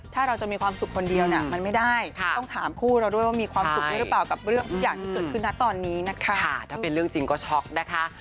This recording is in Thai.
ถ้าไม่รักไม่อยู่มาถึง๒ปี